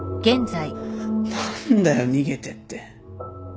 何だよ「逃げて」って。